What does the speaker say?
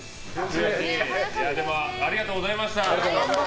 でも、ありがとうございました。